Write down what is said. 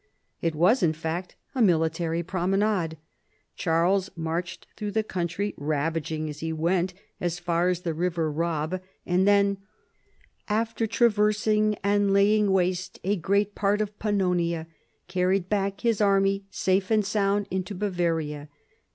It was, in fact, a military promenade. Charles marched through the country, ravaging as he went, as far as the river Raab, and then, " after traversing and laying waste a great part of Pannonia, carried back his army safe and sound into Bavaria.